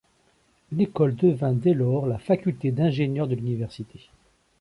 L'école devint dès lors la faculté d'ingénieurs de l'université.